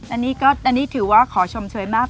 อันนี้ถือว่าขอชมเฉยมาก